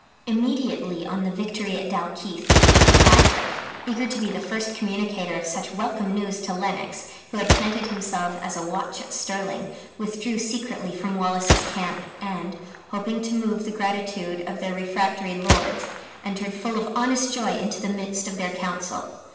Immediately on the victory at Dalkeith, Kirkpatrick (eager to be the first communicator of such welcome news to Lennox, who had planted himself as a watch at Stirling) withdrew secretly from Wallace's camp, and, hoping to move the gratitude of the refractory lords, entered full of honest joy into the midst of their council.